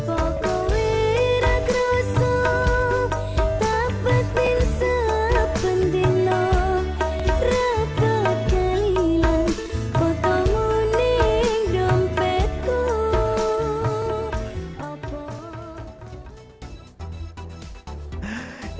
apa kau irat rosok tak penting sepenting lo rapatkan hilang kau temuni dompetku